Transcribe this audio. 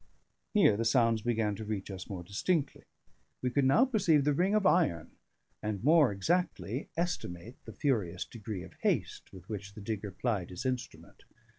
Here the sounds began to reach us more distinctly; we could now perceive the ring of iron, and more exactly estimate the furious degree of haste with which the digger plied his instrument.